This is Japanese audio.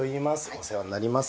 お世話になります